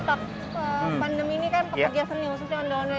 pada tahun ini kan pekerjaan seni musuhnya ondel ondel ya bang